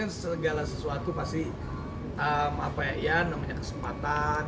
maksudnya kan segala sesuatu pasti apa ya yang namanya kesempatan